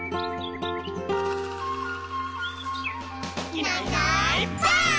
「いないいないばあっ！」